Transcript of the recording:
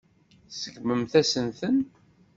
Tseggmemt-asent-ten.